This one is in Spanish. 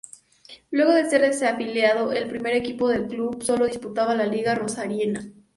Luego de ser desafiliado, el primer equipo del club solo disputaba la Liga Rosarina.